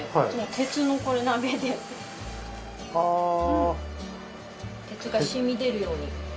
鉄がしみでるように。